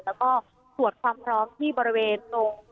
แล้วก็ตรวจความพร้อมที่บริเวณตรง